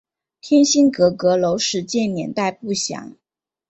天心阁阁楼始建年代不详。